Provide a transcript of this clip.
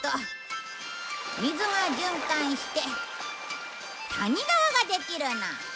水が循環して谷川ができるの。